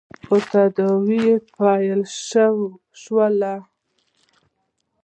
خو تداوې يې پیل شول.